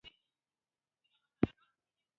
موزیک د وطن بوی لري.